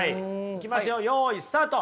いきますよよいスタート。